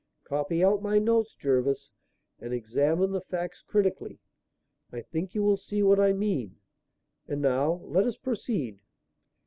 Copy out my notes, Jervis, and examine the facts critically. I think you will see what I mean. And now let us proceed."